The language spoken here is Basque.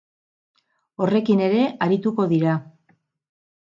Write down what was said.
Horrekin ere arituko dira.